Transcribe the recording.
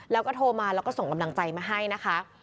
แล้วก็โทรมาแล้วก็ส่งกำลังใจมาให้นะคะ